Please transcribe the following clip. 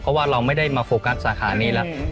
เพราะว่าเราไม่ได้มาโฟกัสสาขานี้แล้ว